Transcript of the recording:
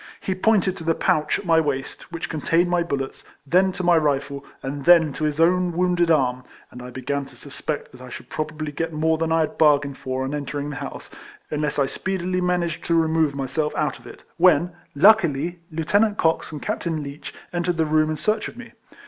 He pointed to the pouch at my waist, which contained my bullets, then to my rifle, and then to his own wounded arm, and I began to suspect that I should probably get more than I had bargained for on entering the house, unless I speedily managed to remove myself out of it, when, luckily, Lieutenant Cox and Captain Leech entered the room in search of me.